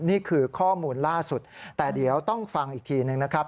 นี่คือข้อมูลล่าสุดแต่เดี๋ยวต้องฟังอีกทีหนึ่งนะครับ